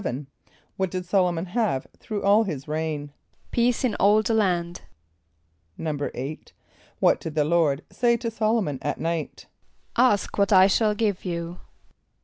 = What did S[)o]l´o mon have through all his reign? =Peace in all the land.= =8.= What did the Lord say to S[)o]l´o mon at night? ="Ask what I shall give you."